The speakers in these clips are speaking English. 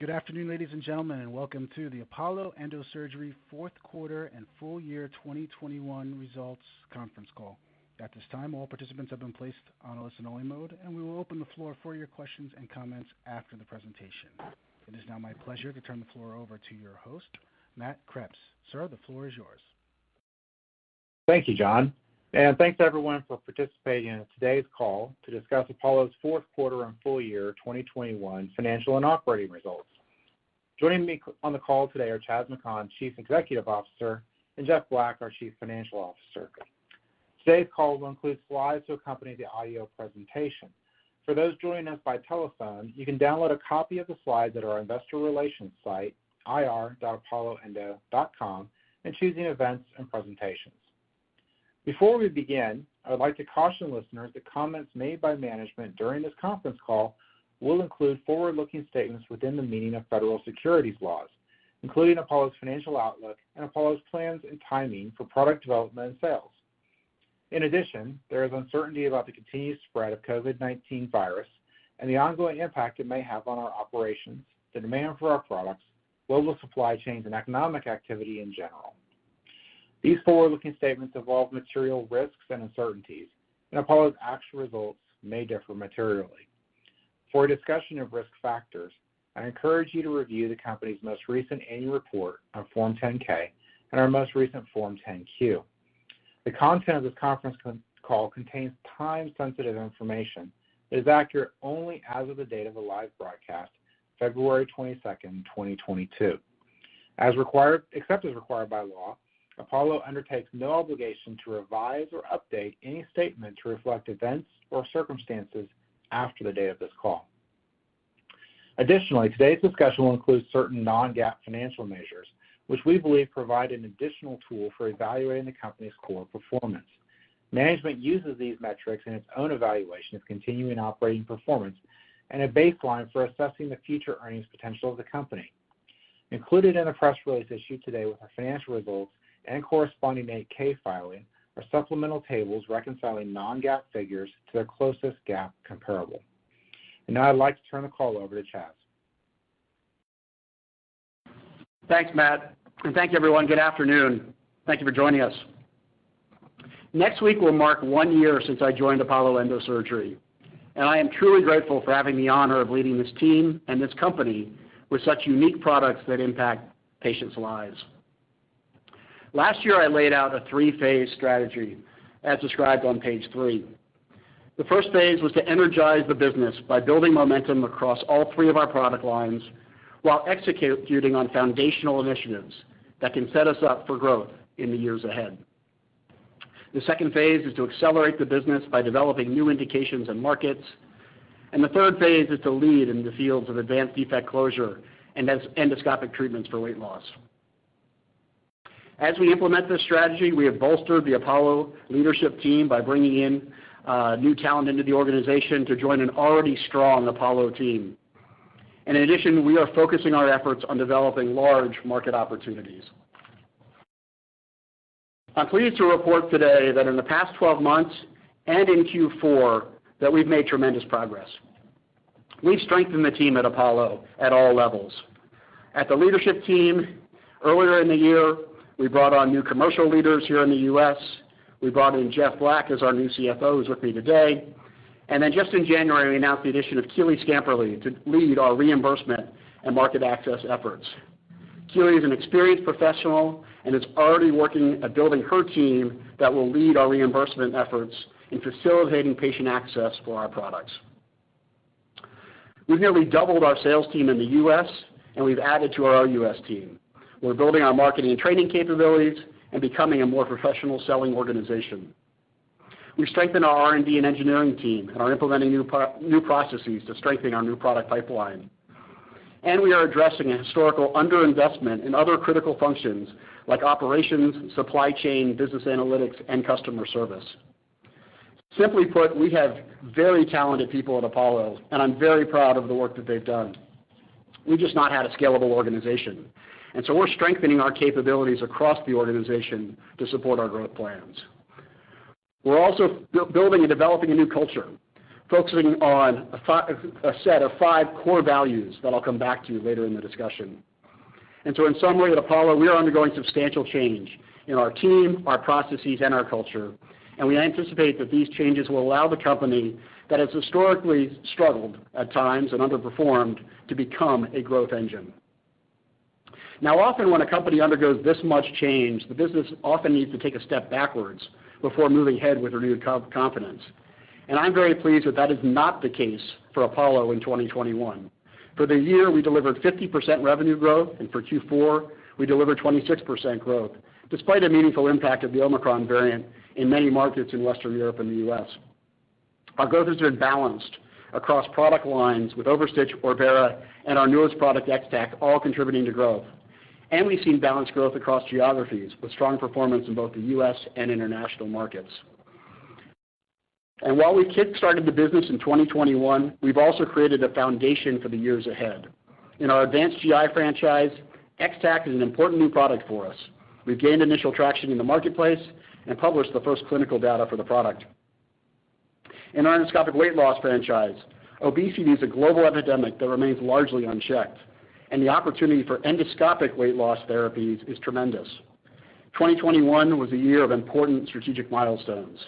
Good afternoon, ladies and gentlemen, and welcome to the Apollo Endosurgery fourth quarter and full year 2021 results conference call. At this time, all participants have been placed on a listen-only mode, and we will open the floor for your questions and comments after the presentation. It is now my pleasure to turn the floor over to your host, Matt Kreps. Sir, the floor is yours. Thank you, John, and thanks everyone for participating in today's call to discuss Apollo's fourth quarter and full year 2021 financial and operating results. Joining me on the call today are Chas McKhann, Chief Executive Officer, and Jeff Black, our Chief Financial Officer. Today's call will include slides to accompany the audio presentation. For those joining us by telephone, you can download a copy of the slides at our investor relations site, ir.apolloendo.com and choose New Events and Presentations. Before we begin, I would like to caution listeners that comments made by management during this conference call will include forward-looking statements within the meaning of federal securities laws, including Apollo's financial outlook and Apollo's plans and timing for product development and sales. In addition, there is uncertainty about the continued spread of COVID-19 virus and the ongoing impact it may have on our operations, the demand for our products, global supply chains, and economic activity in general. These forward-looking statements involve material risks and uncertainties, and Apollo's actual results may differ materially. For a discussion of risk factors, I encourage you to review the company's most recent annual report on Form 10-K and our most recent Form 10-Q. The content of this conference call contains time-sensitive information that is accurate only as of the date of the live broadcast, February 22, 2022. Except as required by law, Apollo undertakes no obligation to revise or update any statement to reflect events or circumstances after the date of this call. Additionally, today's discussion will include certain non-GAAP financial measures, which we believe provide an additional tool for evaluating the company's core performance. Management uses these metrics in its own evaluation of continuing operating performance and a baseline for assessing the future earnings potential of the company. Included in the press release issued today with our financial results and corresponding 8-K filing are supplemental tables reconciling non-GAAP figures to their closest GAAP comparable. Now I'd like to turn the call over to Chas. Thanks, Matt. Thank you, everyone. Good afternoon. Thank you for joining us. Next week will mark one year since I joined Apollo Endosurgery, and I am truly grateful for having the honor of leading this team and this company with such unique products that impact patients' lives. Last year, I laid out a three-phase strategy, as described on page three. The first phase was to energize the business by building momentum across all three of our product lines while executing on foundational initiatives that can set us up for growth in the years ahead. The second phase is to accelerate the business by developing new indications and markets, and the third phase is to lead in the fields of advanced defect closure and endoscopic treatments for weight loss. As we implement this strategy, we have bolstered the Apollo leadership team by bringing in new talent into the organization to join an already strong Apollo team. In addition, we are focusing our efforts on developing large market opportunities. I'm pleased to report today that in the past 12 months and in Q4, that we've made tremendous progress. We've strengthened the team at Apollo at all levels. At the leadership team, earlier in the year, we brought on new commercial leaders here in the U.S. We brought in Jeff Black as our new CFO, who's with me today. Just in January, we announced the addition of Keely Scamperle to lead our reimbursement and market access efforts. Keely is an experienced professional and is already working at building her team that will lead our reimbursement efforts in facilitating patient access for our products. We've nearly doubled our sales team in the U.S., and we've added to our U.S. team. We're building our marketing and training capabilities and becoming a more professional selling organization. We've strengthened our R&D and engineering team and are implementing new processes to strengthen our new product pipeline. We are addressing a historical under-investment in other critical functions like operations, supply chain, business analytics, and customer service. Simply put, we have very talented people at Apollo, and I'm very proud of the work that they've done. We've just not had a scalable organization. We're strengthening our capabilities across the organization to support our growth plans. We're also building and developing a new culture, focusing on a set of five core values that I'll come back to later in the discussion. In some way at Apollo, we are undergoing substantial change in our team, our processes, and our culture, and we anticipate that these changes will allow the company that has historically struggled at times and underperformed to become a growth engine. Now often when a company undergoes this much change, the business often needs to take a step backwards before moving ahead with renewed confidence. I'm very pleased that is not the case for Apollo in 2021. For the year, we delivered 50% revenue growth, and for Q4, we delivered 26% growth, despite a meaningful impact of the Omicron variant in many markets in Western Europe and the U.S. Our growth has been balanced across product lines with OverStitch, Orbera, and our newest product, X-Tack, all contributing to growth. We've seen balanced growth across geographies with strong performance in both the U.S. and international markets. While we kickstarted the business in 2021, we've also created a foundation for the years ahead. In our advanced GI franchise, X-Tack is an important new product for us. We've gained initial traction in the marketplace and published the first clinical data for the product. In our endoscopic weight loss franchise, obesity is a global epidemic that remains largely unchecked, and the opportunity for endoscopic weight loss therapies is tremendous. 2021 was a year of important strategic milestones.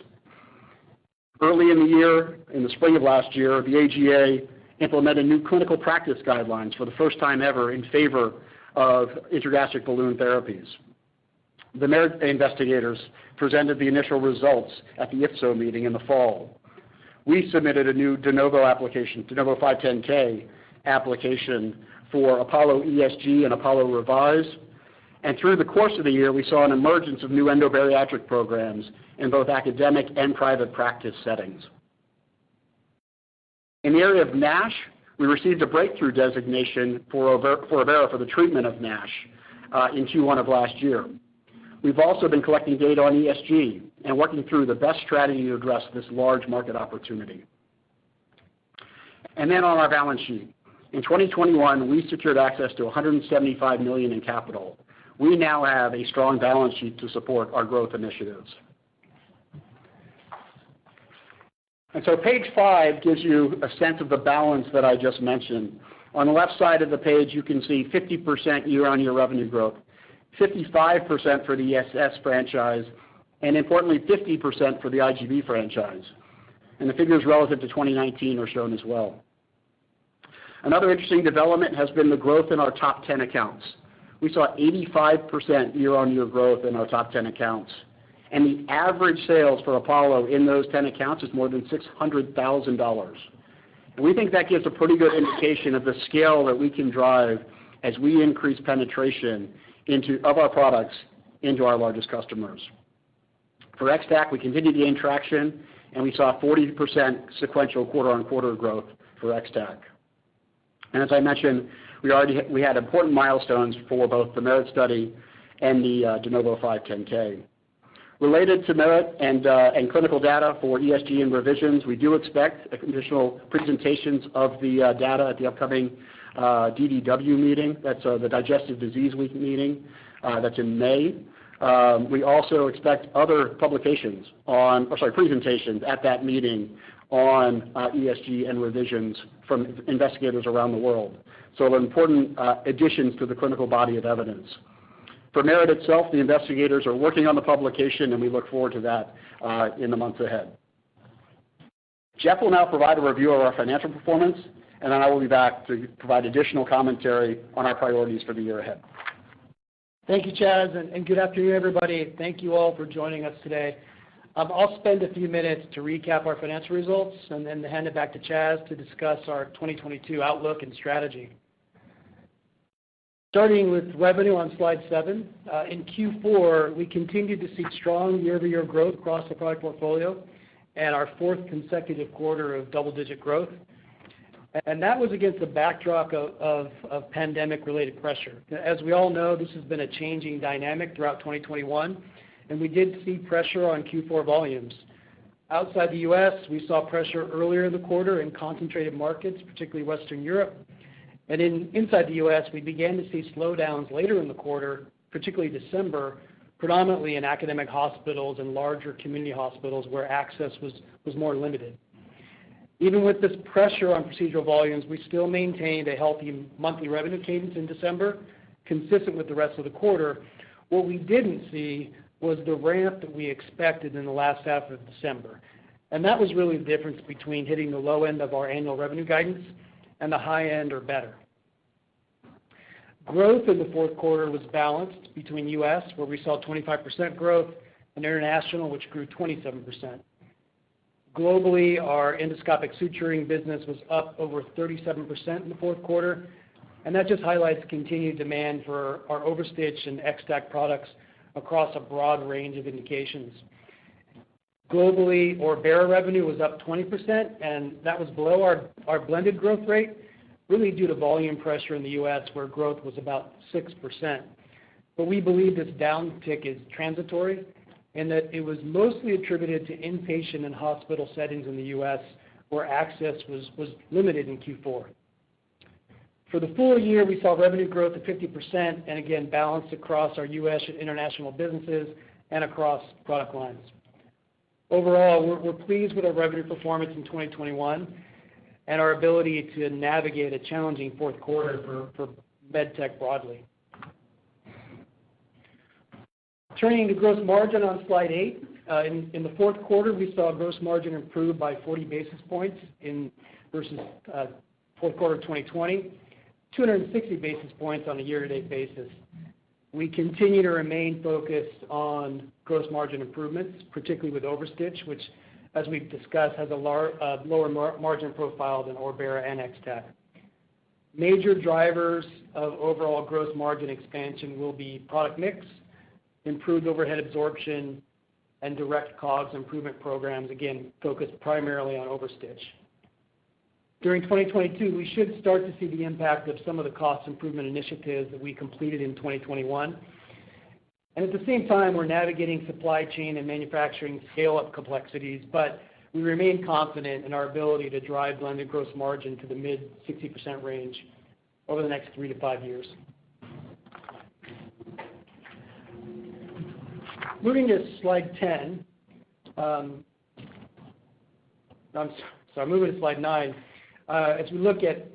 Early in the year, in the spring of last year, the AGA implemented new clinical practice guidelines for the first time ever in favor of intragastric balloon therapies. The MERIT investigators presented the initial results at the IFSO meeting in the fall. We submitted a new De Novo 510(k) application for Apollo ESG and Apollo REVISE. Through the course of the year, we saw an emergence of new endobariatric programs in both academic and private practice settings. In the area of NASH, we received a breakthrough designation for Orbera for the treatment of NASH in Q1 of last year. We've also been collecting data on ESG and working through the best strategy to address this large market opportunity. On our balance sheet, in 2021, we secured access to $175 million in capital. We now have a strong balance sheet to support our growth initiatives. Page 5 gives you a sense of the balance that I just mentioned. On the left side of the page, you can see 50% year-on-year revenue growth, 55% for the ESS franchise, and importantly, 50% for the IGB franchise. The figures relative to 2019 are shown as well. Another interesting development has been the growth in our top 10 accounts. We saw 85% year-on-year growth in our top 10 accounts, and the average sales for Apollo in those 10 accounts is more than $600,000. We think that gives a pretty good indication of the scale that we can drive as we increase penetration of our products into our largest customers. For X-Tack, we continued to gain traction, and we saw 40% sequential quarter-on-quarter growth for X-Tack. As I mentioned, we already had important milestones for both the MERIT study and the De Novo 510(k). Related to MERIT and clinical data for ESG and revisions, we do expect a couple of presentations of the data at the upcoming DDW meeting. That's the Digestive Disease Week meeting, that's in May. We also expect other presentations at that meeting on ESG and revisions from investigators around the world. Important additions to the clinical body of evidence. For MERIT itself, the investigators are working on the publication, and we look forward to that in the months ahead. Jeff will now provide a review of our financial performance, and then I will be back to provide additional commentary on our priorities for the year ahead. Thank you, Chas, and good afternoon, everybody. Thank you all for joining us today. I'll spend a few minutes to recap our financial results and then hand it back to Chas to discuss our 2022 outlook and strategy. Starting with revenue on slide 7. In Q4, we continued to see strong year-over-year growth across the product portfolio and our fourth consecutive quarter of double-digit growth. That was against the backdrop of pandemic-related pressure. As we all know, this has been a changing dynamic throughout 2021, and we did see pressure on Q4 volumes. Outside the U.S., we saw pressure earlier in the quarter in concentrated markets, particularly Western Europe. Inside the U.S., we began to see slowdowns later in the quarter, particularly December, predominantly in academic hospitals and larger community hospitals where access was more limited. Even with this pressure on procedural volumes, we still maintained a healthy monthly revenue cadence in December, consistent with the rest of the quarter. What we didn't see was the ramp that we expected in the last half of December. That was really the difference between hitting the low end of our annual revenue guidance and the high end or better. Growth in the fourth quarter was balanced between U.S., where we saw 25% growth, and international, which grew 27%. Globally, our endoscopic suturing business was up over 37% in the fourth quarter, and that just highlights continued demand for our OverStitch and X-Tack products across a broad range of indications. Globally, Orbera revenue was up 20%, and that was below our blended growth rate, really due to volume pressure in the U.S. where growth was about 6%. We believe this downtick is transitory and that it was mostly attributed to inpatient and hospital settings in the U.S. where access was limited in Q4. For the full year, we saw revenue growth of 50% and again balanced across our U.S. and international businesses and across product lines. Overall, we're pleased with our revenue performance in 2021 and our ability to navigate a challenging fourth quarter for med tech broadly. Turning to gross margin on slide 8. In the fourth quarter, we saw gross margin improve by 40 basis points versus fourth quarter of 2020, 260 basis points on a year-to-date basis. We continue to remain focused on gross margin improvements, particularly with OverStitch, which as we've discussed, has a lower margin profile than Orbera and X-Tack. Major drivers of overall gross margin expansion will be product mix, improved overhead absorption, and direct COGS improvement programs, again, focused primarily on OverStitch. During 2022, we should start to see the impact of some of the cost improvement initiatives that we completed in 2021. At the same time, we're navigating supply chain and manufacturing scale-up complexities, but we remain confident in our ability to drive blended gross margin to the mid-60% range over the next three to five years. Moving to slide 10, I'm sorry, moving to slide 9. As we look at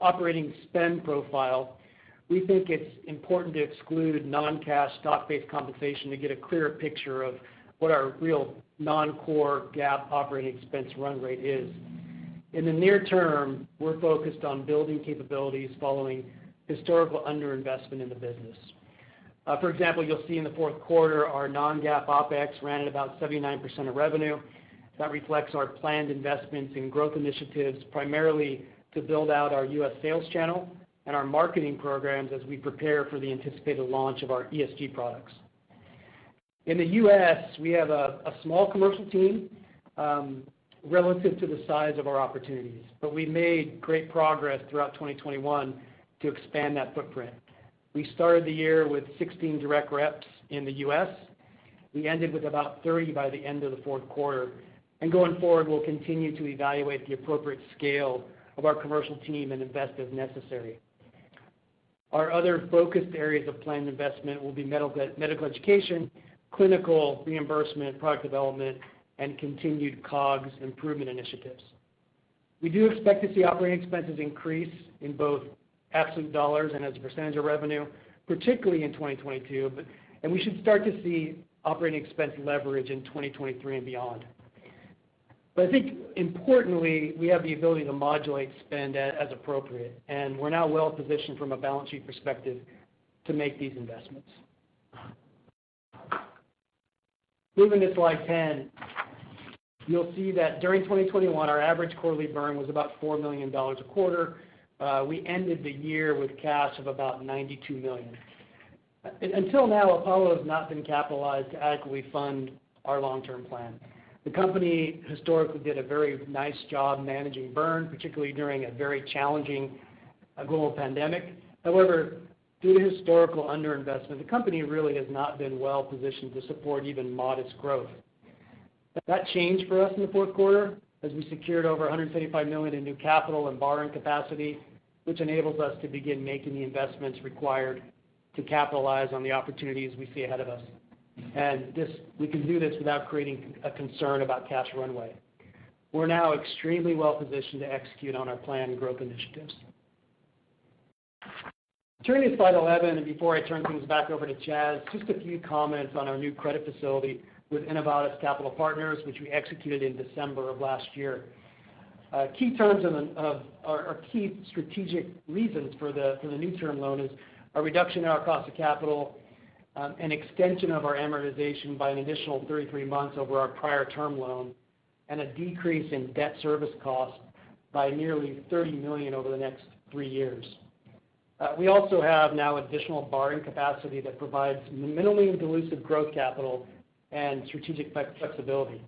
operating spend profile, we think it's important to exclude non-cash stock-based compensation to get a clearer picture of what our real non-GAAP operating expense run rate is. In the near term, we're focused on building capabilities following historical under-investment in the business. For example, you'll see in the fourth quarter, our non-GAAP OpEx ran at about 79% of revenue. That reflects our planned investments in growth initiatives, primarily to build out our U.S. sales channel and our marketing programs as we prepare for the anticipated launch of our ESG products. In the U.S., we have a small commercial team, relative to the size of our opportunities, but we made great progress throughout 2021 to expand that footprint. We started the year with 16 direct reps in the U.S. We ended with about 30 by the end of the fourth quarter. Going forward, we'll continue to evaluate the appropriate scale of our commercial team and invest as necessary. Our other focused areas of planned investment will be medical education, clinical reimbursement, product development, and continued COGS improvement initiatives. We do expect to see operating expenses increase in both absolute dollars and as a percentage of revenue, particularly in 2022. We should start to see operating expense leverage in 2023 and beyond. I think importantly, we have the ability to modulate spend as appropriate, and we're now well-positioned from a balance sheet perspective to make these investments. Moving to slide 10, you'll see that during 2021, our average quarterly burn was about $4 million a quarter. We ended the year with cash of about $92 million. Until now, Apollo has not been capitalized to adequately fund our long-term plan. The company historically did a very nice job managing burn, particularly during a very challenging global pandemic. However, due to historical under-investment, the company really has not been well-positioned to support even modest growth. That changed for us in the fourth quarter as we secured over $175 million in new capital and borrowing capacity, which enables us to begin making the investments required to capitalize on the opportunities we see ahead of us. This, we can do this without creating a concern about cash runway. We're now extremely well-positioned to execute on our planned growth initiatives. Turning to slide 11, and before I turn things back over to Chas, just a few comments on our new credit facility with Innovatus Capital Partners, which we executed in December of last year. Key terms of our key strategic reasons for the new term loan is a reduction in our cost of capital, an extension of our amortization by an additional 33 months over our prior term loan, and a decrease in debt service cost by nearly $30 million over the next three years. We also have now additional borrowing capacity that provides minimally dilutive growth capital and strategic flexibility.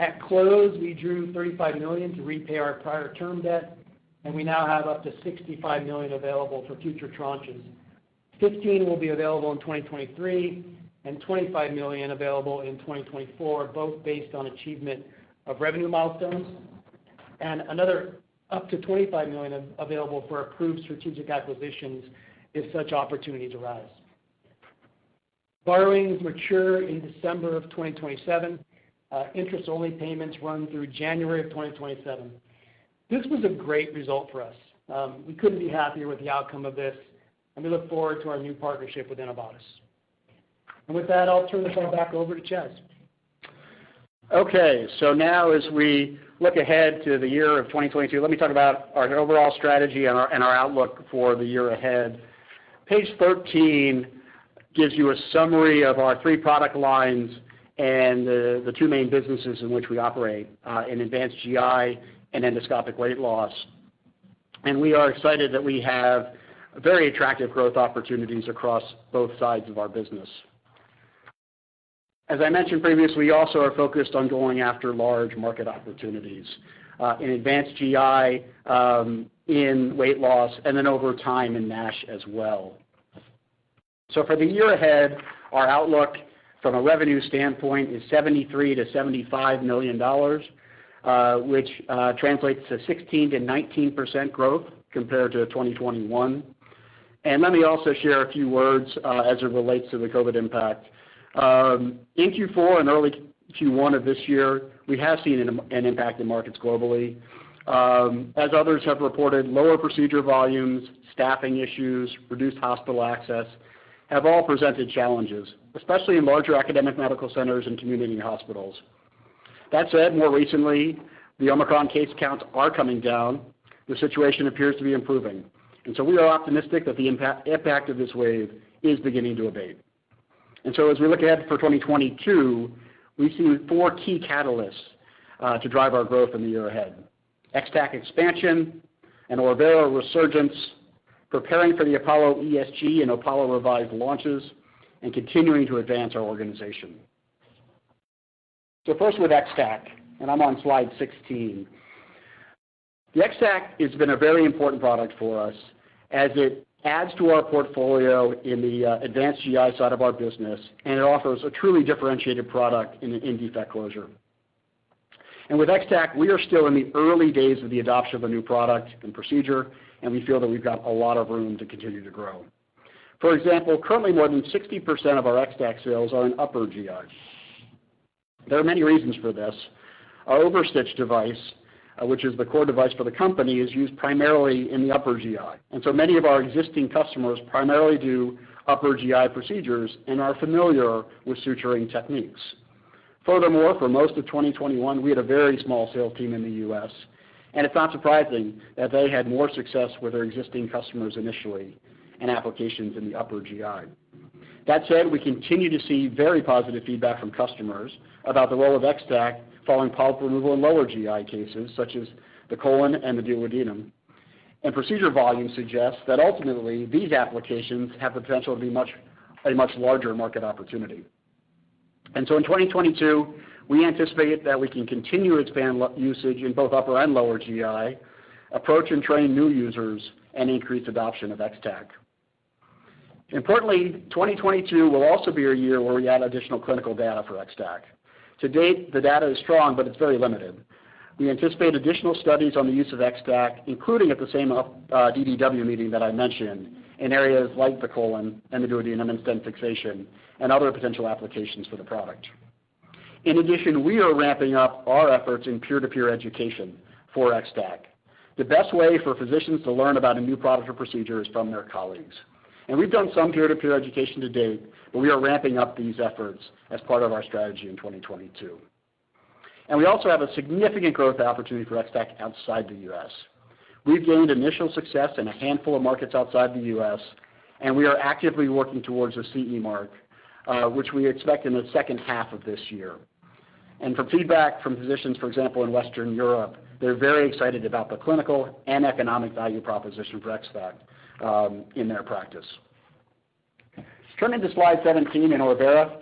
At close, we drew $35 million to repay our prior term debt, and we now have up to $65 million available for future tranches. $15 million will be available in 2023, and $25 million available in 2024, both based on achievement of revenue milestones. Another up to $25 million available for approved strategic acquisitions if such opportunities arise. Borrowings mature in December of 2027. Interest-only payments run through January of 2027. This was a great result for us. We couldn't be happier with the outcome of this, and we look forward to our new partnership with Innovatus. With that, I'll turn this all back over to Chas. Okay. Now as we look ahead to the year of 2022, let me talk about our overall strategy and our outlook for the year ahead. Page 13 gives you a summary of our three product lines and the two main businesses in which we operate in advanced GI and endoscopic weight loss. We are excited that we have very attractive growth opportunities across both sides of our business. As I mentioned previously, we also are focused on going after large market opportunities in advanced GI in weight loss, and then over time in NASH as well. For the year ahead, our outlook from a revenue standpoint is $73 million-$75 million, which translates to 16%-19% growth compared to 2021. Let me also share a few words as it relates to the COVID impact. In Q4 and early Q1 of this year, we have seen an impact in markets globally. As others have reported, lower procedure volumes, staffing issues, reduced hospital access have all presented challenges, especially in larger academic medical centers and community hospitals. That said, more recently, the Omicron case counts are coming down. The situation appears to be improving. We are optimistic that the impact of this wave is beginning to abate. As we look ahead for 2022, we see four key catalysts to drive our growth in the year ahead. X-Tack expansion, an Orbera resurgence, preparing for the Apollo ESG and Apollo REVISE launches, and continuing to advance our organization. First with X-Tack, and I'm on slide 16. The X-Tack has been a very important product for us as it adds to our portfolio in the advanced GI side of our business, and it offers a truly differentiated product in defect closure. With X-Tack, we are still in the early days of the adoption of a new product and procedure, and we feel that we've got a lot of room to continue to grow. For example, currently more than 60% of our X-Tack sales are in upper GI. There are many reasons for this. Our OverStitch device, which is the core device for the company, is used primarily in the upper GI. Many of our existing customers primarily do upper GI procedures and are familiar with suturing techniques. Furthermore, for most of 2021, we had a very small sales team in the U.S., and it's not surprising that they had more success with their existing customers initially and applications in the upper GI. That said, we continue to see very positive feedback from customers about the role of X-Tack following polyp removal in lower GI cases such as the colon and the duodenum. Procedure volume suggests that ultimately these applications have the potential to be a much larger market opportunity. In 2022, we anticipate that we can continue to expand usage in both upper and lower GI, approach and train new users, and increase adoption of X-Tack. Importantly, 2022 will also be a year where we add additional clinical data for X-Tack. To date, the data is strong, but it's very limited. We anticipate additional studies on the use of X-Tack, including at the same DDW meeting that I mentioned, in areas like the colon and the duodenum and stent fixation and other potential applications for the product. In addition, we are ramping up our efforts in peer-to-peer education for X-Tack. The best way for physicians to learn about a new product or procedure is from their colleagues. We've done some peer-to-peer education to date, but we are ramping up these efforts as part of our strategy in 2022. We also have a significant growth opportunity for X-Tack outside the U.S. We've gained initial success in a handful of markets outside the U.S., and we are actively working towards a CE mark, which we expect in the second half of this year. From feedback from physicians, for example, in Western Europe, they're very excited about the clinical and economic value proposition for X-Tack in their practice. Turning to slide 17 in Orbera.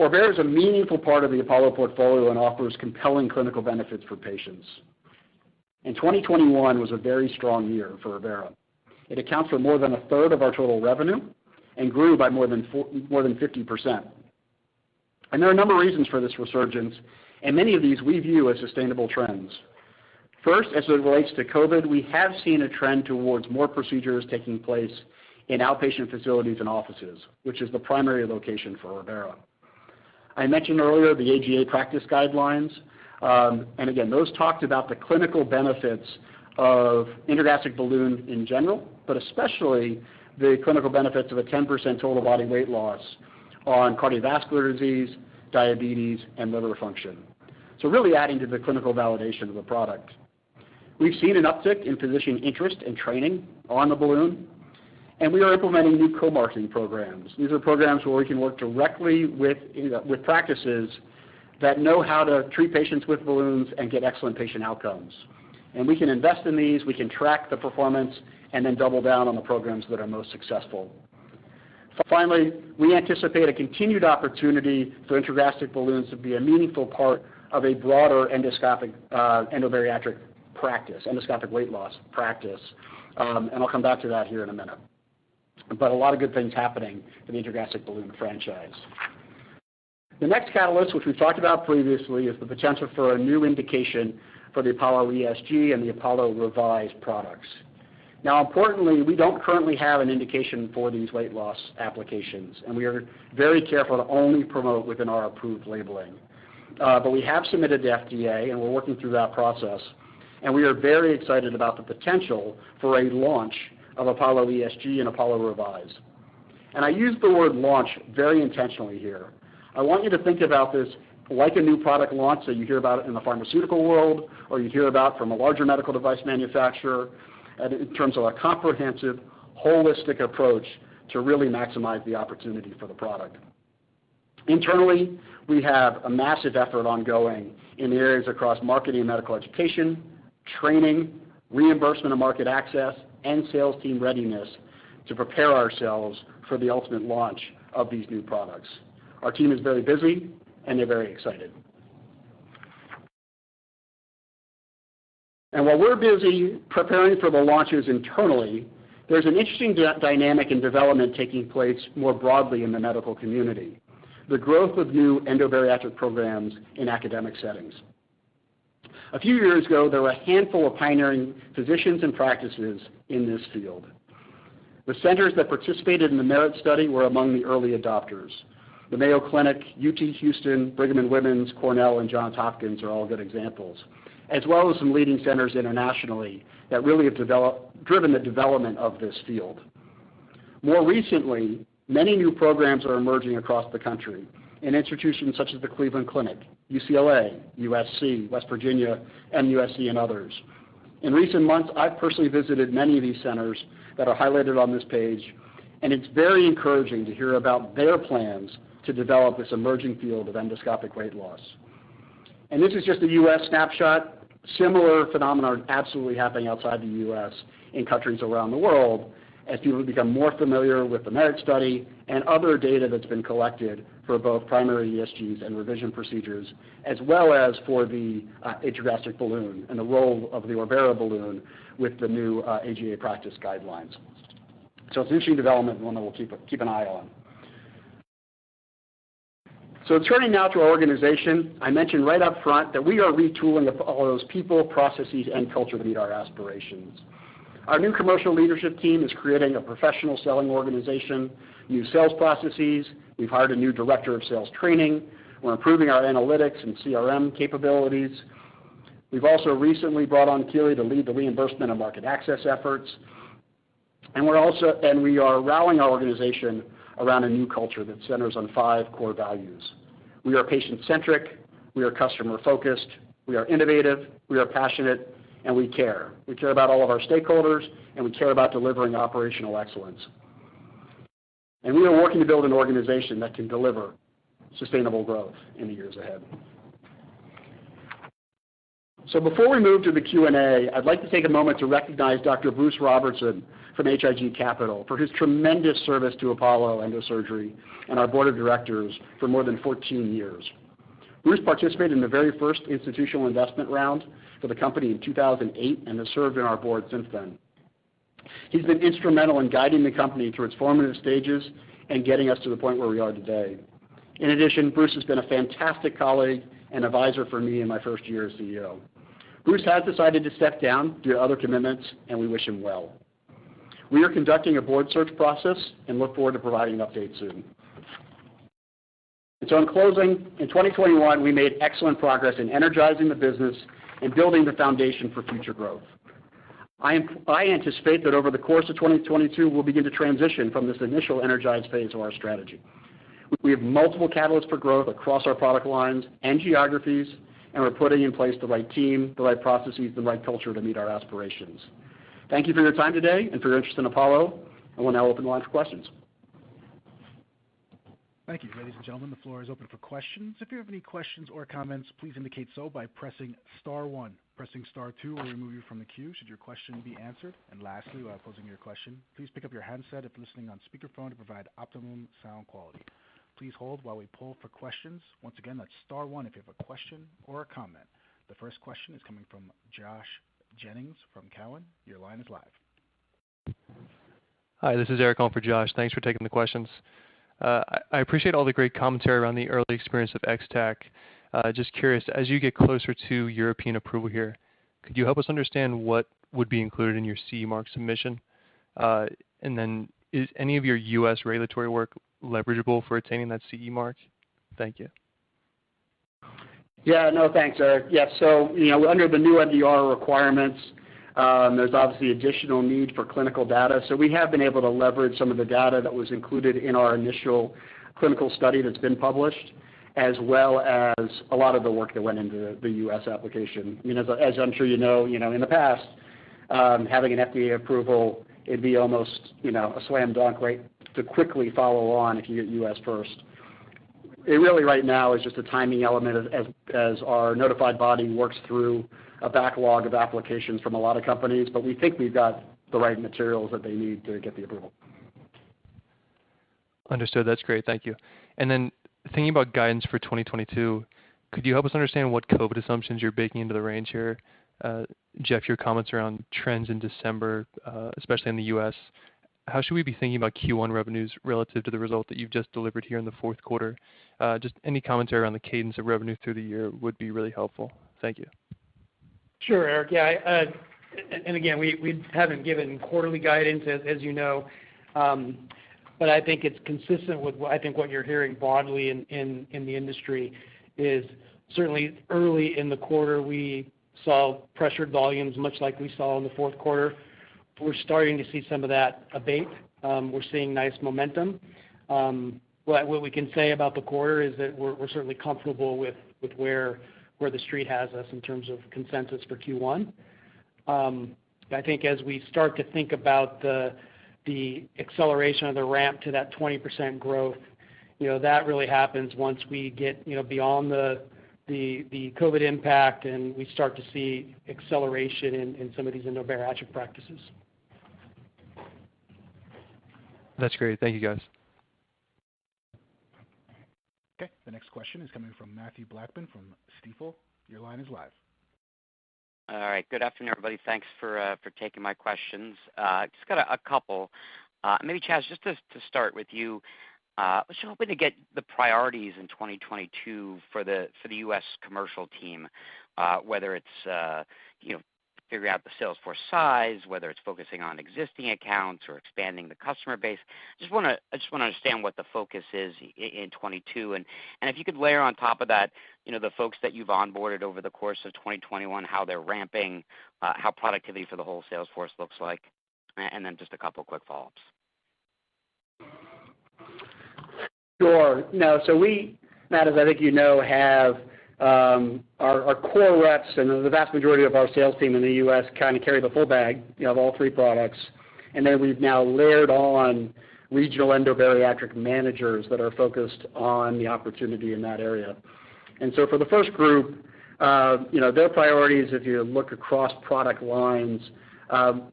Orbera is a meaningful part of the Apollo portfolio and offers compelling clinical benefits for patients. 2021 was a very strong year for Orbera. It accounts for more than 1/3 of our total revenue and grew by more than 50%. There are a number of reasons for this resurgence, and many of these we view as sustainable trends. First, as it relates to COVID, we have seen a trend towards more procedures taking place in outpatient facilities and offices, which is the primary location for Orbera. I mentioned earlier the AGA practice guidelines, and again, those talked about the clinical benefits of intragastric balloon in general, but especially the clinical benefits of a 10% total body weight loss on cardiovascular disease, diabetes, and liver function. So really adding to the clinical validation of the product. We've seen an uptick in physician interest and training on the balloon, and we are implementing new co-marketing programs. These are programs where we can work directly with practices that know how to treat patients with balloons and get excellent patient outcomes. We can invest in these, we can track the performance, and then double down on the programs that are most successful. Finally, we anticipate a continued opportunity for intragastric balloons to be a meaningful part of a broader endoscopic, endobariatric practice, endoscopic weight loss practice, and I'll come back to that here in a minute. A lot of good things happening in the intragastric balloon franchise. The next catalyst, which we talked about previously, is the potential for a new indication for the Apollo ESG and the Apollo REVISE products. Now importantly, we don't currently have an indication for these weight loss applications, and we are very careful to only promote within our approved labeling. We have submitted to FDA, and we're working through that process, and we are very excited about the potential for a launch of Apollo ESG and Apollo REVISE. I use the word launch very intentionally here. I want you to think about this like a new product launch that you hear about in the pharmaceutical world, or you hear about from a larger medical device manufacturer, in terms of a comprehensive, holistic approach to really maximize the opportunity for the product. Internally, we have a massive effort ongoing in areas across marketing and medical education, training, reimbursement and market access, and sales team readiness to prepare ourselves for the ultimate launch of these new products. Our team is very busy, and they're very excited. While we're busy preparing for the launches internally, there's an interesting dynamic and development taking place more broadly in the medical community, the growth of new endobariatric programs in academic settings. A few years ago, there were a handful of pioneering physicians and practices in this field. The centers that participated in the MERIT study were among the early adopters. The Mayo Clinic, UTHealth Houston, Brigham and Women's, Cornell, and Johns Hopkins are all good examples, as well as some leading centers internationally that really have driven the development of this field. More recently, many new programs are emerging across the country in institutions such as the Cleveland Clinic, UCLA, USC, West Virginia, MUSC, and others. In recent months, I've personally visited many of these centers that are highlighted on this page, and it's very encouraging to hear about their plans to develop this emerging field of endoscopic weight loss. This is just a U.S. snapshot. Similar phenomena are absolutely happening outside the U.S. in countries around the world as people become more familiar with the MERIT study and other data that's been collected for both primary ESGs and revision procedures, as well as for the intragastric balloon and the role of the Orbera balloon with the new AGA practice guidelines. It's an interesting development, and one that we'll keep an eye on. Turning now to our organization. I mentioned right up front that we are retooling Apollo's people, processes, and culture to meet our aspirations. Our new commercial leadership team is creating a professional selling organization, new sales processes. We've hired a new director of sales training. We're improving our analytics and CRM capabilities. We've also recently brought on Keely to lead the reimbursement and market access efforts. We are rallying our organization around a new culture that centers on five core values. We are patient-centric. We are customer-focused. We are innovative. We are passionate, and we care. We care about all of our stakeholders, and we care about delivering operational excellence. We are working to build an organization that can deliver sustainable growth in the years ahead. Before we move to the Q&A, I'd like to take a moment to recognize Dr. Bruce Robertson from H.I.G. Capital for his tremendous service to Apollo Endosurgery and our board of directors for more than 14 years. Bruce participated in the very first institutional investment round for the company in 2008 and has served in our board since then. He's been instrumental in guiding the company through its formative stages and getting us to the point where we are today. In addition, Bruce has been a fantastic colleague and advisor for me in my first year as CEO. Bruce has decided to step down due to other commitments, and we wish him well. We are conducting a board search process and look forward to providing an update soon. In closing, in 2021, we made excellent progress in energizing the business and building the foundation for future growth. I anticipate that over the course of 2022, we'll begin to transition from this initial energized phase of our strategy. We have multiple catalysts for growth across our product lines and geographies, and we're putting in place the right team, the right processes, the right culture to meet our aspirations. Thank you for your time today and for your interest in Apollo. I will now open the line for questions. Thank you. Ladies and gentlemen, the floor is open for questions. If you have any questions or comments, please indicate so by pressing star one. Pressing star two will remove you from the queue should your question be answered. Lastly, while posing your question, please pick up your handset if you're listening on speakerphone to provide optimum sound quality. Please hold while we poll for questions. Once again, that's star one if you have a question or a comment. The first question is coming from Josh Jennings from Cowen. Your line is live. Hi, this is Eric calling for Josh. Thanks for taking the questions. I appreciate all the great commentary around the early experience of X-Tack. Just curious, as you get closer to European approval here, could you help us understand what would be included in your CE mark submission? And then is any of your U.S. regulatory work leverageable for attaining that CE mark? Thank you. Yeah. No, thanks, Eric. Yeah. You know, under the new MDR requirements, there's obviously additional need for clinical data. We have been able to leverage some of the data that was included in our initial clinical study that's been published, as well as a lot of the work that went into the U.S. application. You know, as I'm sure you know, you know, in the past, having an FDA approval, it'd be almost, you know, a slam dunk, right, to quickly follow on if you get U.S. first. It really right now is just a timing element as our notified body works through a backlog of applications from a lot of companies. But we think we've got the right materials that they need to get the approval. Understood. That's great. Thank you. Thinking about guidance for 2022, could you help us understand what COVID assumptions you're baking into the range here? Jeff, your comments around trends in December, especially in the U.S., how should we be thinking about Q1 revenues relative to the result that you've just delivered here in the fourth quarter? Just any commentary on the cadence of revenue through the year would be really helpful. Thank you. Sure, Eric. Yeah, and again, we haven't given quarterly guidance as you know. I think it's consistent with what I think you're hearing broadly in the industry is certainly early in the quarter, we saw pressured volumes, much like we saw in the fourth quarter. We're starting to see some of that abate. We're seeing nice momentum. What we can say about the quarter is that we're certainly comfortable with where the street has us in terms of consensus for Q1. I think as we start to think about the acceleration of the ramp to that 20% growth, you know, that really happens once we get, you know, beyond the COVID impact and we start to see acceleration in some of these endobariatric practices. That's great. Thank you, guys. Okay. The next question is coming from Mathew Blackman from Stifel. Your line is live. All right. Good afternoon, everybody. Thanks for taking my questions. Just got a couple. Maybe, Chas, just to start with you. I was hoping to get the priorities in 2022 for the U.S. commercial team, whether it's, you know, figuring out the sales force size, whether it's focusing on existing accounts or expanding the customer base. I just wanna understand what the focus is in 2022. If you could layer on top of that, you know, the folks that you've onboarded over the course of 2021, how they're ramping, how productivity for the whole sales force looks like, and then just a couple quick follow-ups. Sure. No, we, Matt, as I think you know, have our core reps and the vast majority of our sales team in the U.S. kind of carry the full bag, you know, of all three products. Then we've now layered on regional endobariatric managers that are focused on the opportunity in that area. For the first group, you know, their priorities, if you look across product lines,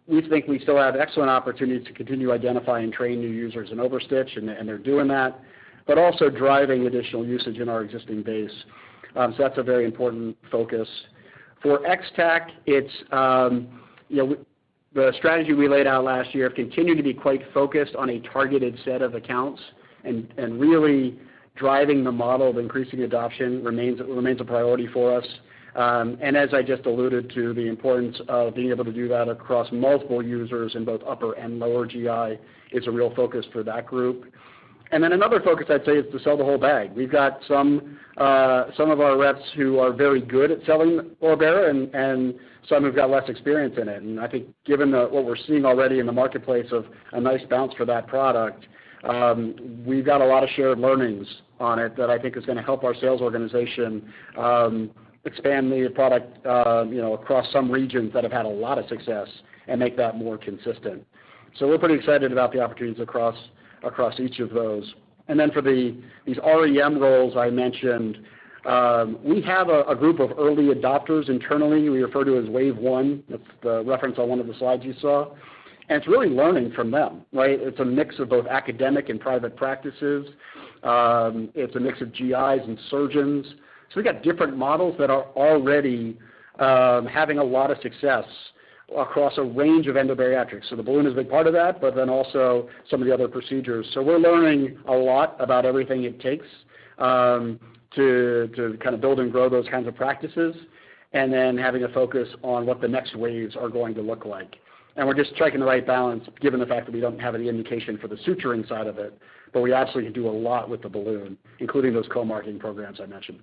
we think we still have excellent opportunities to continue to identify and train new users in OverStitch, and they're doing that, but also driving additional usage in our existing base. That's a very important focus. For X-Tack, it's the strategy we laid out last year have continued to be quite focused on a targeted set of accounts and really driving the model of increasing adoption remains a priority for us. As I just alluded to, the importance of being able to do that across multiple users in both upper and lower GI is a real focus for that group. Another focus I'd say is to sell the whole bag. We've got some of our reps who are very good at selling Orbera and some who've got less experience in it. I think given what we're seeing already in the marketplace of a nice bounce for that product, we've got a lot of shared learnings on it that I think is going to help our sales organization, expand the product, you know, across some regions that have had a lot of success and make that more consistent. We're pretty excited about the opportunities across each of those. Then for these REM roles I mentioned, we have a group of early adopters internally we refer to as wave one. That's the reference on one of the slides you saw. It's really learning from them, right? It's a mix of both academic and private practices. It's a mix of GIs and surgeons. We've got different models that are already having a lot of success across a range of endobariatric. The balloon is a big part of that, but then also some of the other procedures. We're learning a lot about everything it takes to kind of build and grow those kinds of practices and then having a focus on what the next waves are going to look like. We're just striking the right balance given the fact that we don't have any indication for the suture inside of it, but we absolutely do a lot with the balloon, including those co-marketing programs I mentioned.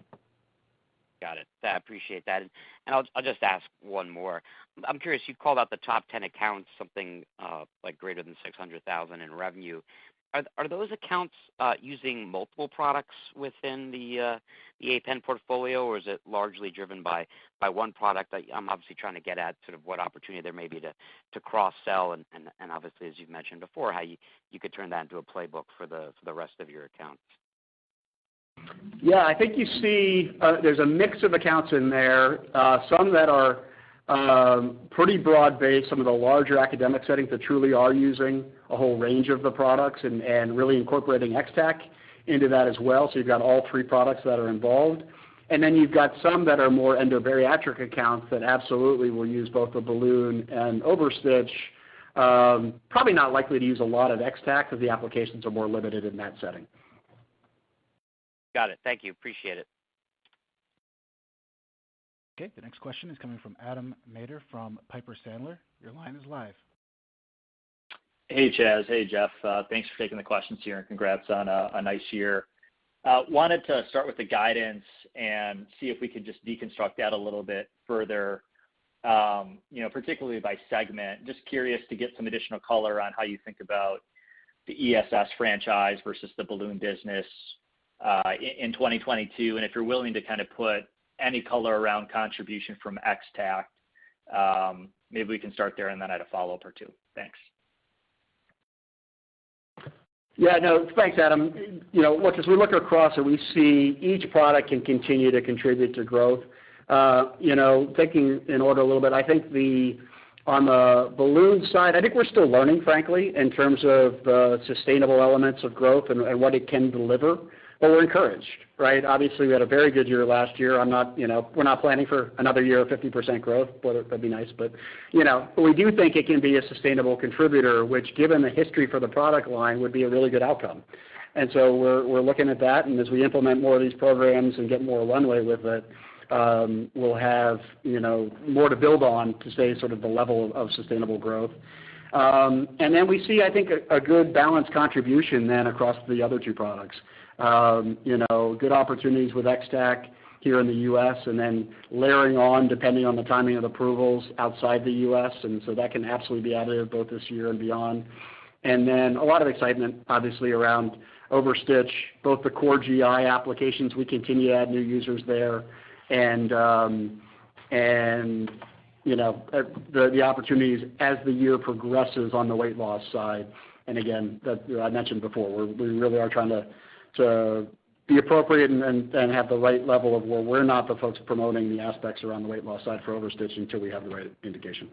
Got it. I appreciate that. I'll just ask one more. I'm curious, you called out the top 10 accounts something like greater than $600,000 in revenue. Are those accounts using multiple products within the APEN portfolio, or is it largely driven by one product? I'm obviously trying to get at sort of what opportunity there may be to cross-sell and obviously, as you've mentioned before, how you could turn that into a playbook for the rest of your accounts. Yeah. I think you see there's a mix of accounts in there, some that are pretty broad-based, some of the larger academic settings that truly are using a whole range of the products and really incorporating X-Tack into that as well. You've got all three products that are involved. You've got some that are more endobariatric accounts that absolutely will use both the balloon and OverStitch. Probably not likely to use a lot of X-Tack because the applications are more limited in that setting. Got it. Thank you. Appreciate it. Okay. The next question is coming from Adam Maeder from Piper Sandler. Your line is live. Hey, Chas. Hey, Jeff. Thanks for taking the questions here, and congrats on a nice year. Wanted to start with the guidance and see if we could just deconstruct that a little bit further, you know, particularly by segment. Just curious to get some additional color on how you think about the ESS franchise versus the balloon business, in 2022, and if you're willing to kind of put any color around contribution from X-Tack. Maybe we can start there, and then I had a follow-up or two. Thanks. Yeah. No. Thanks, Adam. You know, look, as we look across it, we see each product can continue to contribute to growth. You know, thinking in order a little bit, I think on the balloon side, I think we're still learning, frankly, in terms of sustainable elements of growth and what it can deliver, but we're encouraged, right? Obviously, we had a very good year last year. I'm not, you know, we're not planning for another year of 50% growth, but that'd be nice. You know, we do think it can be a sustainable contributor, which given the history for the product line, would be a really good outcome. We're looking at that, and as we implement more of these programs and get more runway with it, we'll have, you know, more to build on to stay sort of the level of sustainable growth. We see, I think, a good balanced contribution then across the other two products. Good opportunities with X-Tack here in the U.S. and then layering on depending on the timing of approvals outside the U.S., so that can absolutely be out there both this year and beyond. Then a lot of excitement, obviously, around OverStitch, both the core GI applications. We continue to add new users there. You know, the opportunities as the year progresses on the weight loss side. Again, that I mentioned before, we're really trying to be appropriate and have the right level of, well, we're not the folks promoting the aspects around the weight loss side for OverStitch until we have the right indication.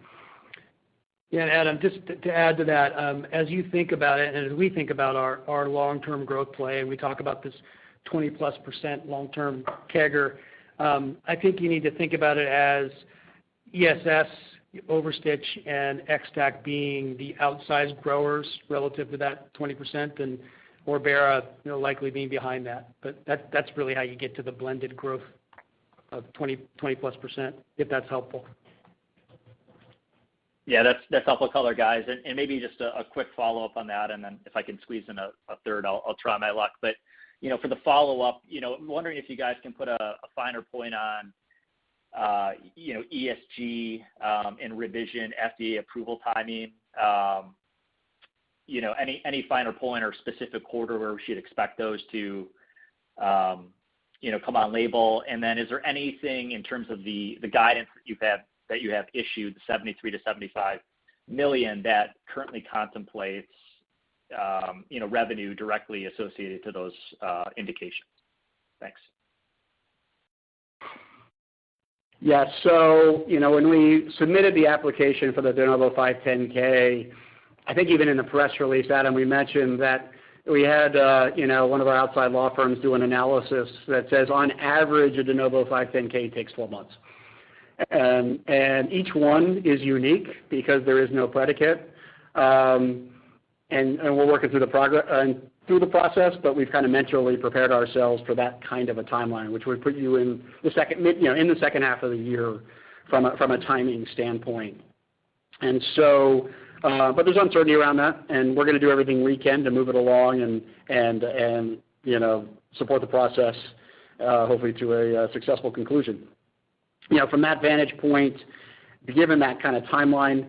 Yeah. Adam, just to add to that, as you think about it and as we think about our long-term growth play, and we talk about this 20%+ long-term CAGR, I think you need to think about it as ESS, OverStitch, and X-Tack being the outsized growers relative to that 20% and Orbera, you know, likely being behind that. That's really how you get to the blended growth of 20%+, if that's helpful. Yeah. That's helpful color, guys. Maybe just a quick follow-up on that, and then if I can squeeze in a third, I'll try my luck. For the follow-up, you know, I'm wondering if you guys can put a finer point on, you know, ESG and revision FDA approval timing. You know, any finer point or specific quarter where we should expect those to come on label. Is there anything in terms of the guidance that you have issued, the $73 million-$75 million, that currently contemplates, you know, revenue directly associated to those indications? Thanks. Yeah. You know, when we submitted the application for the De Novo 510(k). I think even in the press release, Adam, we mentioned that we had, you know, one of our outside law firms do an analysis that says on average, a De Novo 510(k) takes four months. Each one is unique because there is no predicate. We're working through the process, but we've kind of mentally prepared ourselves for that kind of a timeline, which would put you in the mid-second half of the year from a timing standpoint. There's uncertainty around that, and we're going to do everything we can to move it along and, you know, support the process, hopefully to a successful conclusion. You know, from that vantage point, given that kind of timeline,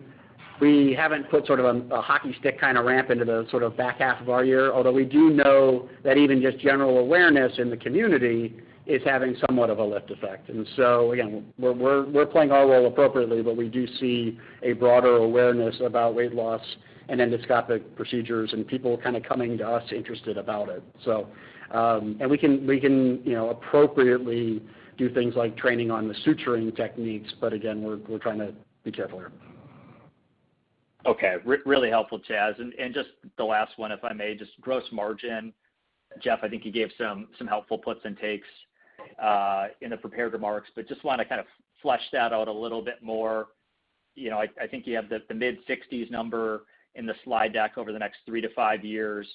we haven't put sort of a hockey stick kind of ramp into the sort of back half of our year, although we do know that even just general awareness in the community is having somewhat of a lift effect. Again, we're playing our role appropriately, but we do see a broader awareness about weight loss and endoscopic procedures and people kind of coming to us interested about it. We can, you know, appropriately do things like training on the suturing techniques, but again, we're trying to be careful here. Okay. Really helpful, Chaz. Just the last one, if I may, just gross margin. Jeff, I think you gave some helpful puts and takes in the prepared remarks, but just want to kind of flesh that out a little bit more. You know, I think you have the mid-sixties number in the slide deck over the next three to five years.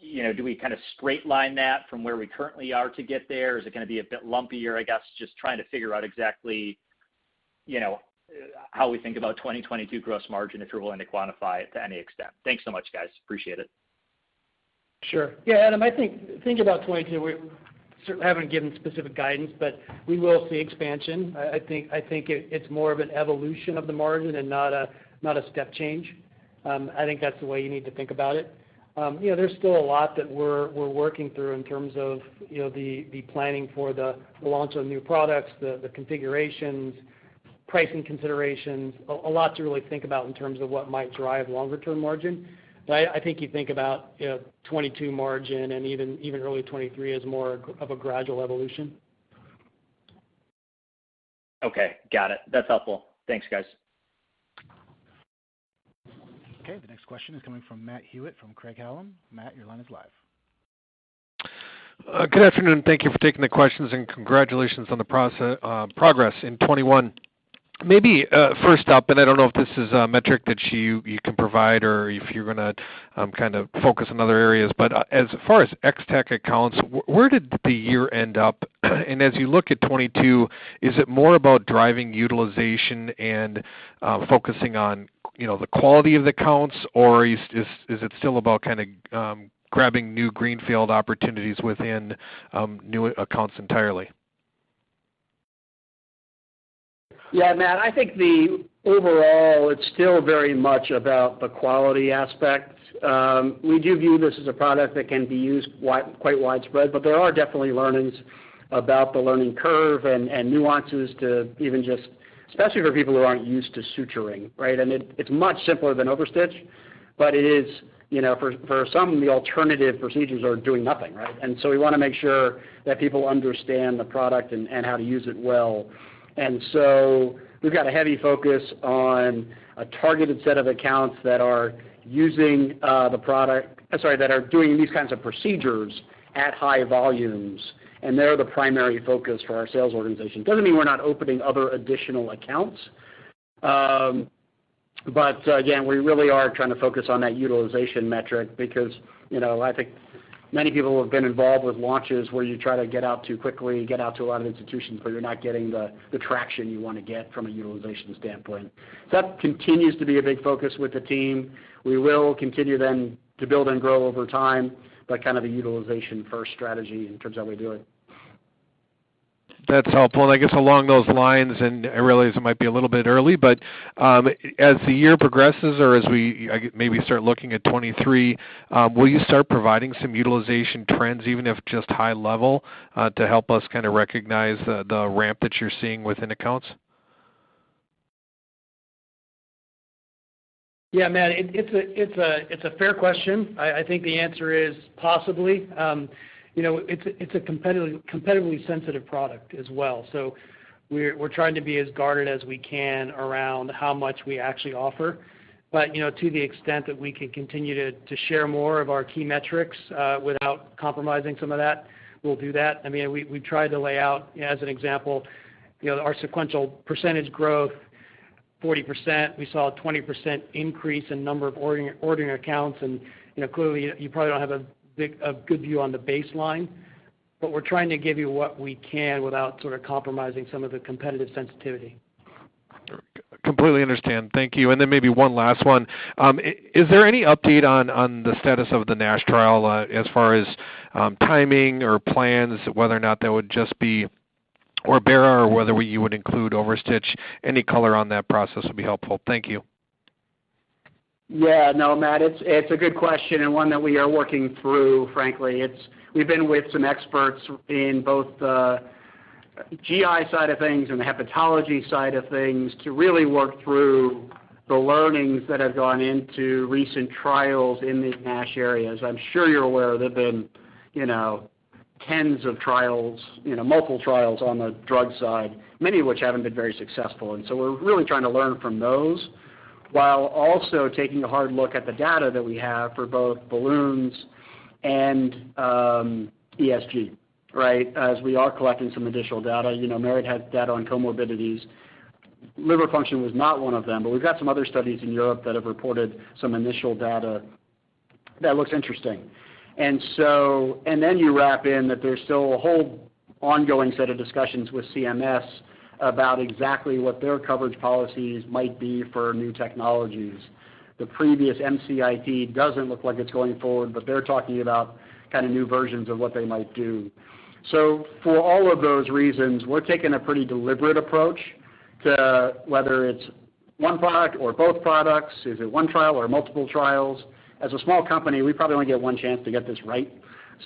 You know, do we kind of straight line that from where we currently are to get there? Is it going to be a bit lumpier? I guess just trying to figure out exactly, you know, how we think about 2022 gross margin if you're willing to quantify it to any extent. Thanks so much, guys. Appreciate it. Sure. Yeah, Adam, I think about 2022, we certainly haven't given specific guidance, but we will see expansion. I think it is more of an evolution of the margin and not a step change. I think that's the way you need to think about it. You know, there's still a lot that we're working through in terms of the planning for the launch of new products, the configurations, pricing considerations, a lot to really think about in terms of what might drive longer term margin. I think you think about 2022 margin and even early 2023 as more of a gradual evolution. Okay. Got it. That's helpful. Thanks, guys. Okay. The next question is coming from Matt Hewitt from Craig-Hallum. Matt, your line is live. Good afternoon. Thank you for taking the questions and congratulations on the progress in 2021. Maybe first up, and I don't know if this is a metric that you can provide or if you're going to kind of focus on other areas. As far as X-Tack accounts, where did the year end up? And as you look at 2022, is it more about driving utilization and focusing on, you know, the quality of the accounts? Or is it still about kind of grabbing new greenfield opportunities within new accounts entirely? Yeah, Matt, I think the overall, it's still very much about the quality aspect. We do view this as a product that can be used quite widespread, but there are definitely learnings about the learning curve and nuances to even just, especially for people who aren't used to suturing, right? It is much simpler than OverStitch, but it is, you know, for some, the alternative procedures are doing nothing, right? We want to make sure that people understand the product and how to use it well. We've got a heavy focus on a targeted set of accounts that are doing these kinds of procedures at high volumes, and they're the primary focus for our sales organization. Doesn't mean we're not opening other additional accounts. Again, we really are trying to focus on that utilization metric because, you know, I think many people have been involved with launches where you try to get out too quickly, get out to a lot of institutions, but you're not getting the traction you want to get from a utilization standpoint. That continues to be a big focus with the team. We will continue then to build and grow over time, but kind of a utilization first strategy in terms of how we do it. That's helpful. I guess along those lines, and I realize it might be a little bit early, but as the year progresses or as we, I guess, maybe start looking at 2023, will you start providing some utilization trends, even if just high level, to help us kind of recognize the ramp that you're seeing within accounts? Yeah, Matt, it's a fair question. I think the answer is possibly. You know, it's a competitively sensitive product as well. We're trying to be as guarded as we can around how much we actually offer. You know, to the extent that we can continue to share more of our key metrics, without compromising some of that, we'll do that. I mean, we tried to lay out, as an example, you know, our sequential percentage growth, 40%. We saw a 20% increase in number of ordering accounts. You know, clearly you probably don't have a good view on the baseline. We're trying to give you what we can without sort of compromising some of the competitive sensitivity. Completely understand. Thank you. Then maybe one last one. Is there any update on the status of the NASH trial, as far as timing or plans, whether or not that would just be Orbera or whether you would include OverStitch? Any color on that process would be helpful. Thank you. Yeah. No, Matt, it's a good question and one that we are working through, frankly. It's. We've been with some experts in both the GI side of things and the hepatology side of things to really work through the learnings that have gone into recent trials in these NASH areas. I'm sure you're aware there have been, you know, tens of trials, you know, multiple trials on the drug side, many of which haven't been very successful. We're really trying to learn from those while also taking a hard look at the data that we have for both balloons and ESG, right? As we are collecting some additional data. You know, MERIT had data on comorbidities. Liver function was not one of them, but we've got some other studies in Europe that have reported some initial data that looks interesting. You wrap in that there's still a whole ongoing set of discussions with CMS about exactly what their coverage policies might be for new technologies. The previous MCIT doesn't look like it's going forward, but they're talking about kind of new versions of what they might do. For all of those reasons, we're taking a pretty deliberate approach to whether it's one product or both products, is it one trial or multiple trials. As a small company, we probably only get one chance to get this right.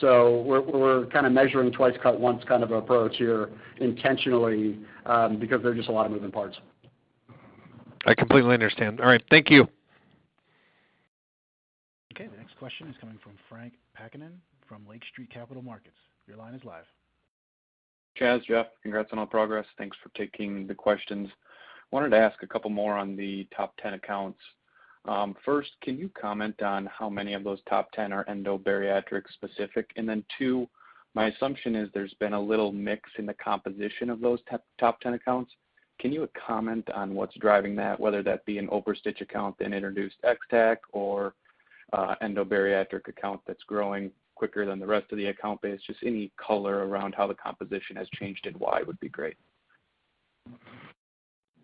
We're kind of measuring twice, cut once kind of approach here intentionally, because there are just a lot of moving parts. I completely understand. All right. Thank you. Okay, the next question is coming from Frank Takkinen from Lake Street Capital Markets. Your line is live. Chas, Jeff, congrats on all progress. Thanks for taking the questions. Wanted to ask a couple more on the top 10 accounts. First, can you comment on how many of those top ten are endobariatric specific? Then two, my assumption is there's been a little mix in the composition of those top ten accounts. Can you comment on what's driving that, whether that be an OverStitch account that introduced X-Tack or endobariatric account that's growing quicker than the rest of the account base? Just any color around how the composition has changed and why would be great.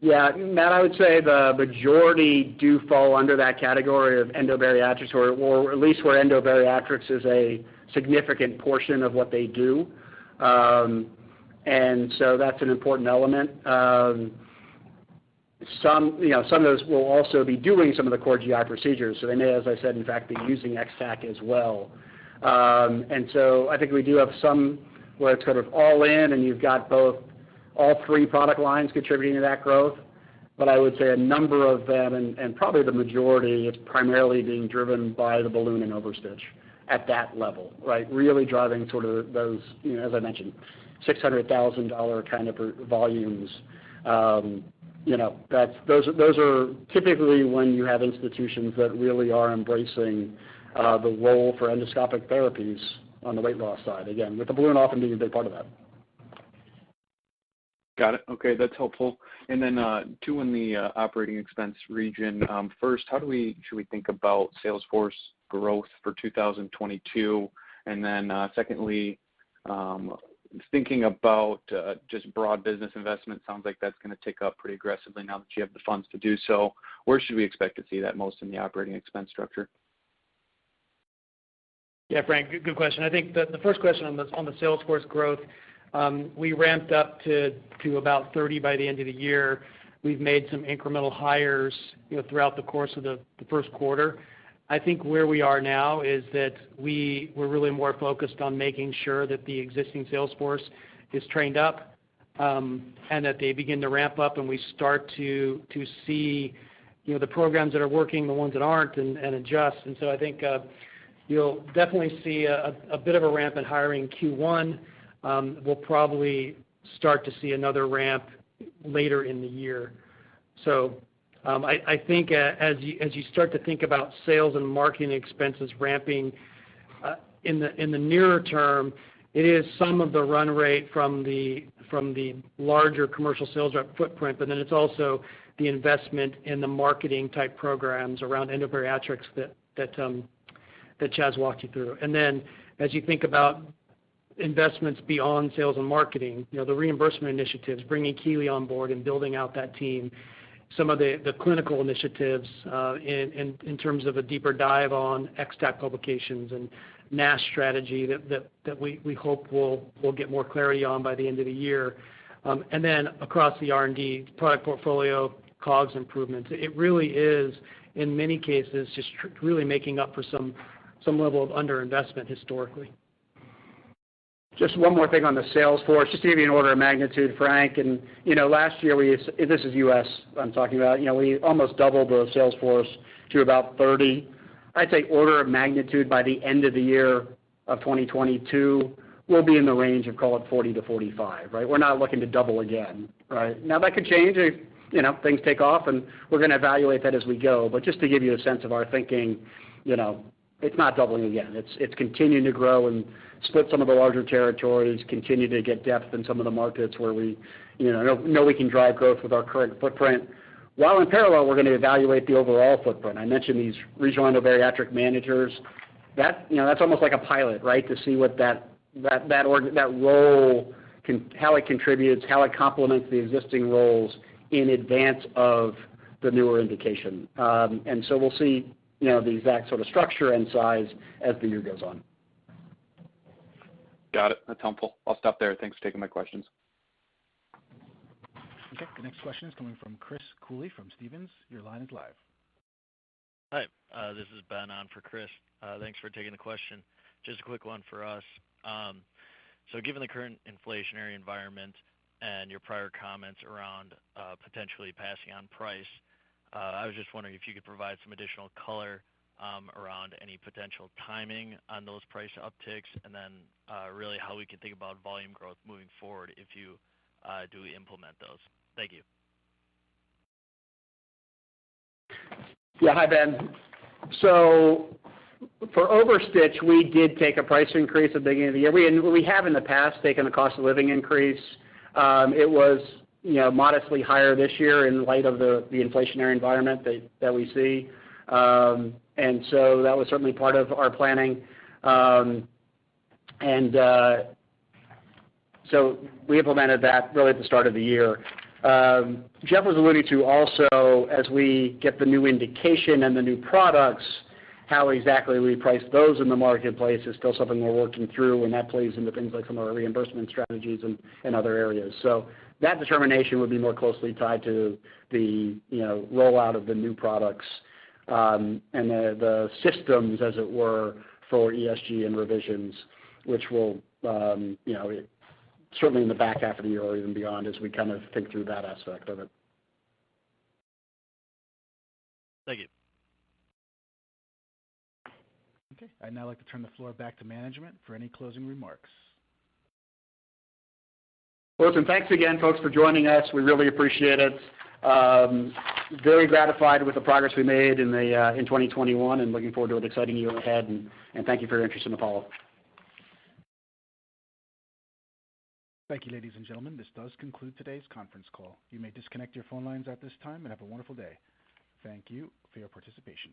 Yeah. Matt, I would say the majority do fall under that category of endobariatric, or at least where endobariatric is a significant portion of what they do. And so that's an important element. Some, you know, some of those will also be doing some of the core GI procedures. So they may, as I said, in fact, be using X-Tack as well. And so I think we do have some where it's sort of all in and you've got both all three product lines contributing to that growth. But I would say a number of them, and probably the majority, it's primarily being driven by the balloon and OverStitch at that level, right? Really driving sort of those, you know, as I mentioned, $600,000 kind of volumes. You know, those are typically when you have institutions that really are embracing the role for endoscopic therapies on the weight loss side, again, with the balloon often being a big part of that. Got it. Okay, that's helpful. Two in the operating expense region. First, should we think about sales force growth for 2022? Secondly, thinking about just broad business investment, sounds like that's gonna tick up pretty aggressively now that you have the funds to do so. Where should we expect to see that most in the operating expense structure? Yeah, Frank, good question. I think the first question on the sales force growth, we ramped up to about 30 by the end of the year. We've made some incremental hires, you know, throughout the course of the first quarter. I think where we are now is that we're really more focused on making sure that the existing sales force is trained up, and that they begin to ramp up and we start to see, you know, the programs that are working, the ones that aren't, and adjust. I think you'll definitely see a bit of a ramp in hiring in Q1. We'll probably start to see another ramp later in the year. I think as you start to think about sales and marketing expenses ramping in the nearer term, it is some of the run rate from the larger commercial sales rep footprint, but then it's also the investment in the marketing type programs around endobariatrics that Chas walked you through. As you think about investments beyond sales and marketing, you know, the reimbursement initiatives, bringing Keely on board and building out that team, some of the clinical initiatives in terms of a deeper dive on X-Tack publications and NASH strategy that we hope we'll get more clarity on by the end of the year. Across the R&D product portfolio, COGS improvements. It really is, in many cases, just really making up for some level of underinvestment historically. Just one more thing on the sales force, just to give you an order of magnitude, Frank. You know, last year, this is U.S. I'm talking about, we almost doubled the sales force to about 30. I'd say order of magnitude by the end of the year of 2022, we'll be in the range of, call it 40-45, right? We're not looking to double again, right? Now that could change if, you know, things take off, and we're gonna evaluate that as we go. Just to give you a sense of our thinking, you know, it's not doubling again. It's continuing to grow and split some of the larger territories, continue to get depth in some of the markets where we, you know we can drive growth with our current footprint. While in parallel, we're gonna evaluate the overall footprint. I mentioned these regional endobariatric managers. That, you know, that's almost like a pilot, right? To see what that role contributes, how it complements the existing roles in advance of the newer indication. We'll see, you know, the exact sort of structure and size as the year goes on. Got it. That's helpful. I'll stop there. Thanks for taking my questions. Okay. The next question is coming from Chris Cooley from Stephens. Your line is live. Hi. This is Ben on for Chris. Thanks for taking the question. Just a quick one for us. Given the current inflationary environment and your prior comments around potentially passing on price I was just wondering if you could provide some additional color around any potential timing on those price upticks and then really how we can think about volume growth moving forward if you do implement those. Thank you. Yeah. Hi, Ben. For OverStitch, we did take a price increase at the beginning of the year. We have in the past taken a cost of living increase. It was, you know, modestly higher this year in light of the inflationary environment that we see. That was certainly part of our planning. We implemented that really at the start of the year. Jeff was alluding to also as we get the new indication and the new products, how exactly we price those in the marketplace is still something we're working through, and that plays into things like some of our reimbursement strategies and other areas. That determination would be more closely tied to the, you know, rollout of the new products, and the systems as it were for ESG and revisions, which will, you know, certainly in the back half of the year or even beyond as we kind of think through that aspect of it. Thank you. Okay. I'd now like to turn the floor back to management for any closing remarks. Listen, thanks again, folks, for joining us. We really appreciate it. Very gratified with the progress we made in 2021 and looking forward to an exciting year ahead and thank you for your interest in Apollo. Thank you, ladies and gentlemen, this does conclude today's conference call. You may disconnect your phone lines at this time and have a wonderful day. Thank you for your participation.